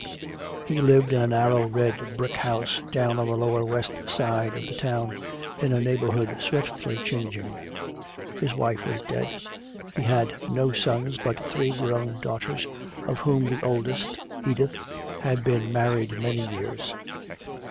He lived in a narrow red brick house down on the lower west side of the town, in a neighborhood swiftly changing. His wife was dead. He had no sons, but three grown daughters, of whom the oldest, Edith, had been married many years.